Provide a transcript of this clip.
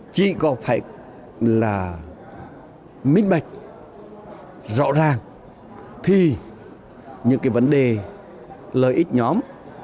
chỉ có phải là mít mạch rõ ràng thì những cái vấn đề lợi ích nhóm